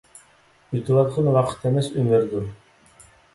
ئۆتۈۋاتقىنى ۋاقىت ئەمەس، ئۆمۈردۇر.